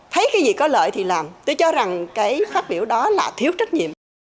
thấy cái gì có lợi thì làm tôi cho rằng cái phát biểu đó là thiếu trách nhiệm